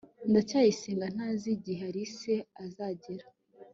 ndacyayisenga ntazi igihe alice azagera